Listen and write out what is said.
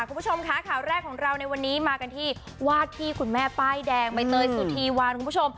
คุณผู้ชมค่ะข่าวแรกของเราในวันนี้มากันที่วาดที่คุณแม่ป้ายแดงใบเตยสุธีวานคุณผู้ชม